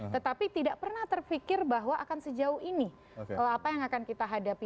tetapi tidak pernah terpikir bahwa akan sejauh ini apa yang akan kita hadapi